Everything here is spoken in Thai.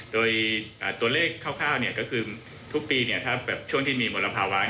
โดยตัวเลขคร่าวก็คือทุกปีถ้าช่วงที่มีมลภาวะ